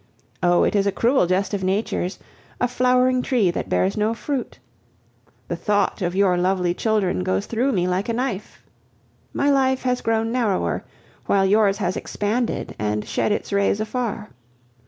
Oh! it is a cruel jest of Nature's, a flowering tree that bears no fruit. The thought of your lovely children goes through me like a knife. My life has grown narrower, while yours has expanded and shed its rays afar.